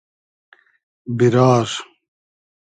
بیرار